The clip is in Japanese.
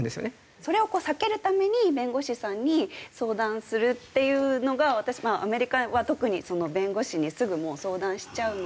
それを避けるために弁護士さんに相談するっていうのが私まあアメリカは特に弁護士にすぐ相談しちゃうので。